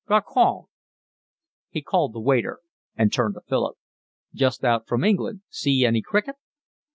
"Garcong!" He called the waiter and turned to Philip. "Just out from England? See any cricket?"